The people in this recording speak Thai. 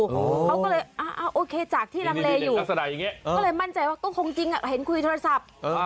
เขาก็เลยอ่าโอเคจากที่นังแลอยู่ก็เลยมั่นใจว่าก็คงจริงอะเห็นคุยโทรศัพท์